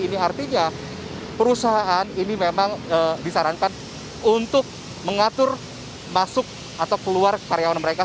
ini artinya perusahaan ini memang disarankan untuk mengatur masuk atau keluar karyawan mereka